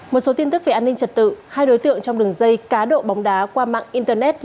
một số tin tức về an ninh trật tự hai đối tượng trong đường dây cá độ bóng đá qua mạng internet